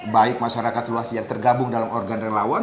baik masyarakat luas yang tergabung dalam organ relawan